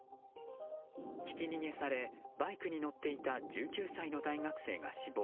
ひき逃げされバイクに乗っていた１９歳の大学生が死亡。